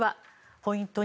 ポイント２